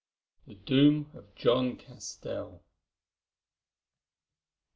THE DOOM OF JOHN CASTELL.